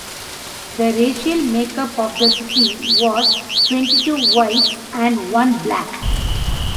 The racial makeup of the city was twenty-two whites and one black.